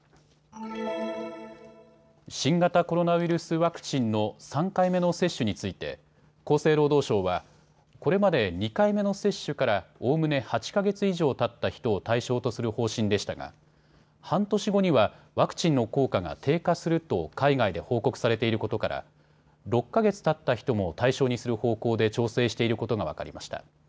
新型コロナウイルスワクチンの３回目の接種について厚生労働省はこれまで２回目の接種からおおむね８か月以上たった人を対象とする方針でしたが半年後にはワクチンの効果が低下すると海外で報告されていることから６か月たった人も対象にする方向で調整していることが分かりました。